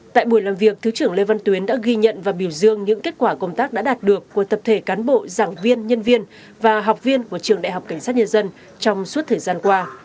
tại buổi làm việc thứ trưởng lê văn tuyến đã ghi nhận và biểu dương những kết quả công tác đã đạt được của tập thể cán bộ giảng viên nhân viên và học viên của trường đại học cảnh sát nhân dân trong suốt thời gian qua